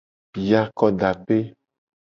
Yi akodape.